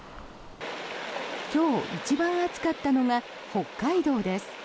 今日一番暑かったのが北海道です。